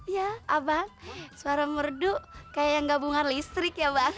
ya abang suara merdu kayak yang gabungan listrik ya bang